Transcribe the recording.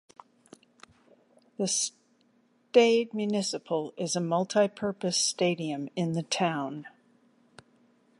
The Stade Municipal is a multi-purpose stadium in the town.